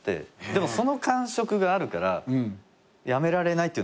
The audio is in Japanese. でもその感触があるからやめられないって。